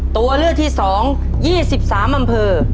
ตัวเลือกที่๒๒๓อำเภอ